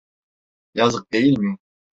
Yazık değil mi?